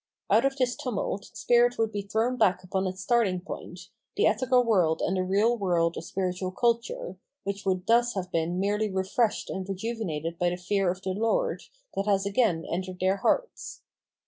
Out of this tumult spirit would be thrown back upon its starting point, the ethical world and the real world of spiritual culture, which would thus have been merely refreshed and rejuvenated by the fear of the lord, that has again entered their hearts.